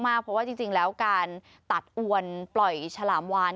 เพราะว่าจริงแล้วการตัดอวนปล่อยฉลามวาน